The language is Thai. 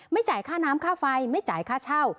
จ่ายค่าน้ำค่าไฟไม่จ่ายค่าเช่า